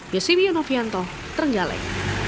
yosibio novianto trenggalek